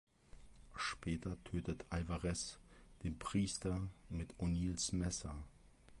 Später tötet Alvarez den Priester mit O’Neals Messer.